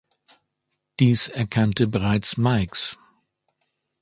Dies erkannte bereits Meigs.